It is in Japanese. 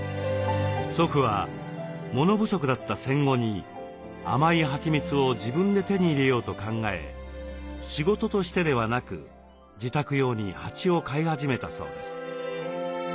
祖父は物不足だった戦後に甘いはちみつを自分で手に入れようと考え仕事としてではなく自宅用に蜂を飼い始めたそうです。